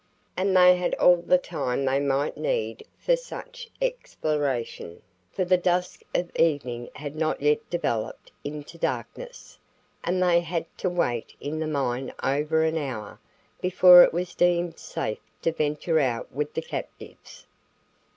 And they had all the time they might need for such exploration, for the dusk of evening had not yet developed into darkness and they had to wait in the mine over an hour before it was deemed safe to venture out with the captives.